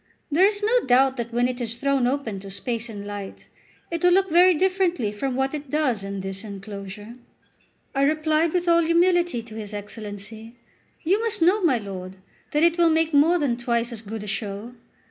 There is no doubt that when it is thrown open to space and light, it will look very differently from what it does in this enclosure." I replied with all humility to his Excellency: "You must know, my lord, that it will make more than twice as good a show.